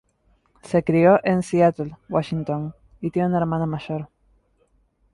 Se crio en Seattle, Washington y tiene una hermana mayor.